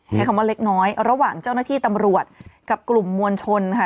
ใช้คำว่าเล็กน้อยระหว่างเจ้าหน้าที่ตำรวจกับกลุ่มมวลชนค่ะ